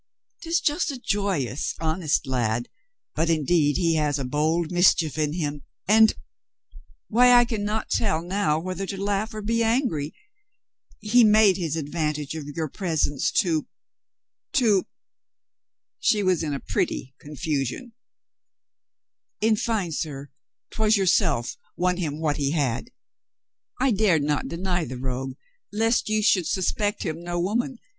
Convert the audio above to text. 'Tis just a joyous, honest lad. But in deed he has a bold mischief in him, and — why, I can not tell now whether to laugh or be angry — he made his advantage of your presence to — to" — she was in a pretty confusion — "in fine, sir, 'twas yourself won him what he had. I dared not deny the rogue, lest you should suspect him no woman.